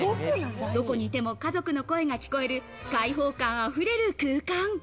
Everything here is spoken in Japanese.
どこにいても家族の声が聞こえる開放感あふれる空間。